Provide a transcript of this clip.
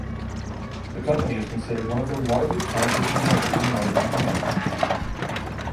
The company is considered one of the largest concert promoters in northern Germany.